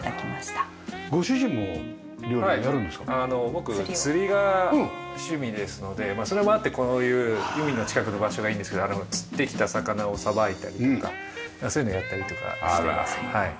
僕釣りが趣味ですのでそれもあってこういう海の近くの場所がいいんですけど釣ってきた魚をさばいたりとかそういうのをやったりとかしてますね。